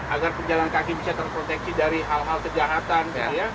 agar penjalan kaki bisa terproteksi dari hal hal kejahatan